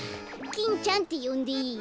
キンちゃんってよんでいい？